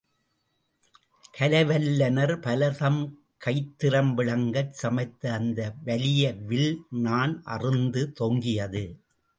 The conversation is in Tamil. கலைவல்லுநர் பலர் தம் கைத்திறம் விளங்கச் சமைத்த அந்த வலிய வில், நாண் அறுந்து தொங்கியது.